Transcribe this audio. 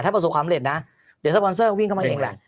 ประสบความเร็จนะเดี๋ยวสปอนเซอร์วิ่งเข้ามาเองแหละ